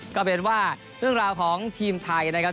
ก็เป็นว่าเรื่องราวของทีมไทยนะครับ